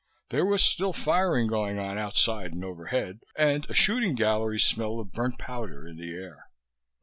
There was still firing going on outside and overhead, and a shooting gallery smell of burnt powder in the air.